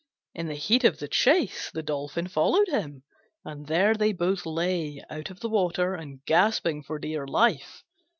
In the heat of the chase the Dolphin followed him, and there they both lay out of the water, gasping for dear life.